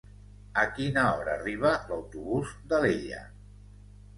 A quina hora arriba l'autobús d'Alella?